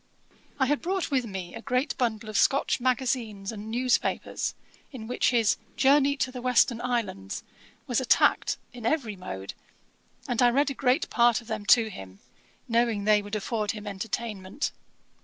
I had brought with me a great bundle of Scotch magazines and news papers, in which his Journey to the Western Islands was attacked in every mode; and I read a great part of them to him, knowing they would afford him entertainment.